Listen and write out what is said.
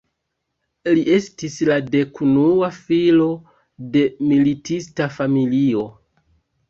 Li estis la dekunua filo de militista familio.